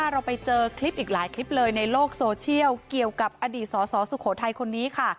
เราไปเจอคลิปอีกหลายคลิปเลยในโลกโซเชียลเกี่ยวกับอดีตสสสุโขทัยคนนี้ค่ะ